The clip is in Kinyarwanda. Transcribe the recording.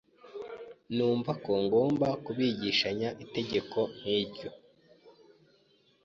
numva ko ngomba kubigishanya itegeko nk’ iryo.